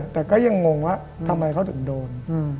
แต่ก็ยังงงว่าทำไมเขาถึงโดน